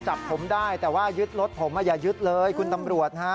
จับผมได้แต่ว่ายึดรถผมอย่ายึดเลยคุณตำรวจฮะ